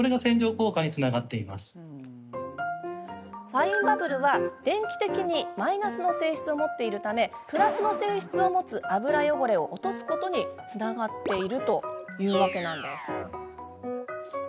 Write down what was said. ファインバブルは、電気的にマイナスの性質を持っているためプラスの性質を持つ油汚れを落とすことにつながっているというわけです。